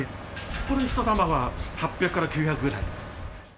これ１玉が８００から９００ぐらい。